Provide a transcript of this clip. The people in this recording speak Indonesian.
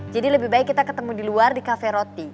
jadi lebih baik kita ketemu di luar di cafe roti